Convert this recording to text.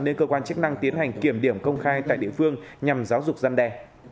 nên cơ quan chức năng tiến hành kiểm điểm công khai tại địa phương nhằm giáo dục gian đe